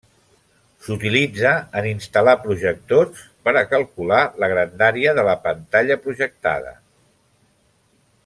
S'utilitza en instal·lar projectors per a calcular la grandària de la pantalla projectada.